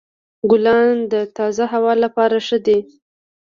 ګلان د تازه هوا لپاره ښه دي.